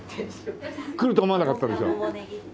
来ると思わなかったでしょ？